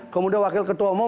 kemudian wakil ketua umum